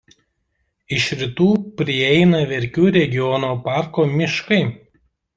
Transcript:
Iš rytų prieina Verkių regioninio parko miškai.